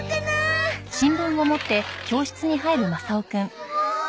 すごーい。